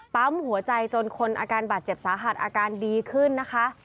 ปั๊มหัวใจจนคนอาการบาดเจ็บสาหัสอาการดีขึ้นนะคะ